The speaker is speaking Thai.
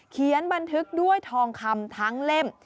เขียนบันทึกด้วยทองคำทั้งเล่ม